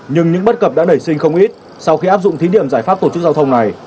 nhưng những bất cập đã nảy sinh không ít sau khi áp dụng thí điểm giải pháp tổ chức giao thông này